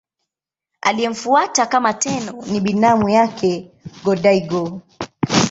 Aliyemfuata kama Tenno ni binamu yake Go-Daigo.